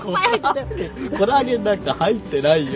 コラーゲンなんか入ってないよ。